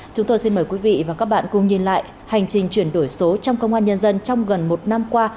chúng tôi xin mời quý vị và các bạn cùng nhìn lại hành trình chuyển đổi số trong công an nhân dân trong gần một năm qua